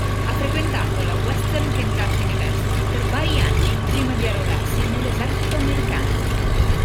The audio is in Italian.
Ha frequentato la Western Kentucky University per vari anni prima di arruolarsi nell'esercito americano.